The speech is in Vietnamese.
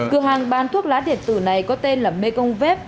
cửa hàng bán thuốc lá điện tử này có tên là mekong vep